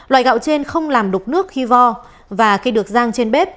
loại gạo trên không làm đục nước khi vo và khi được rang trên bếp